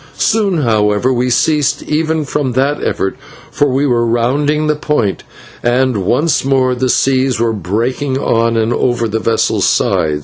Soon, however, we ceased even from that effort, for we were rounding the point and once more the seas were breaking on and over the vessel's side.